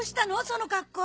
その格好。